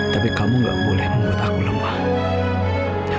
tapi kamu gak boleh membuat aku lemah